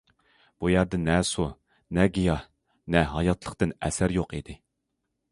بۇ يەردە نە سۇ، نە گىياھ، نە ھاياتلىقتىن ئەسەر يوق ئىدى.